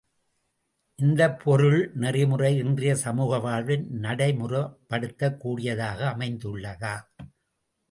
இந்தப் பொருள் நெறிமுறை இன்றைய சமூக வாழ்வில் நடைமுறைப் படுத்தக் கூடியதாக அமைந்துள்ளதா?